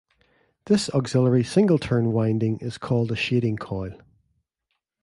This auxiliary single-turn winding is called a shading coil.